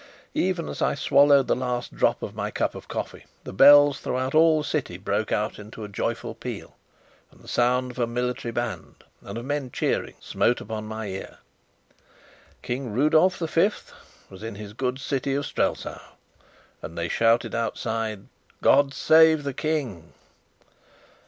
Even as I swallowed the last drop of my cup of coffee, the bells throughout all the city broke out into a joyful peal, and the sound of a military band and of men cheering smote upon my ear. King Rudolf the Fifth was in his good city of Strelsau! And they shouted outside "God save the King!"